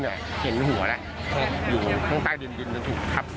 แต่รอดครับผมรอดแน่ครับ